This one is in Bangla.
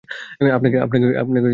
আপনাকে কেউ খুঁজে বের করুক, সেটা।